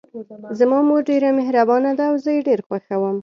زما مور ډیره مهربانه ده او زه یې ډېر خوښوم